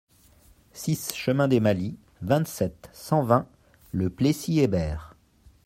six chemin des Malis, vingt-sept, cent vingt, Le Plessis-Hébert